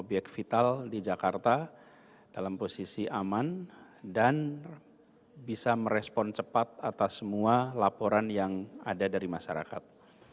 obyek vital di jakarta dalam posisi aman dan bisa merespon cepat atas semua laporan yang ada dari masyarakat